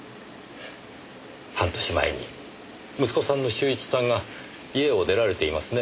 半年前に息子さんの修一さんが家を出られていますね。